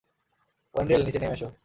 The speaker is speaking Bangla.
ওয়েন্ডেল, নিচে নেমে এসো।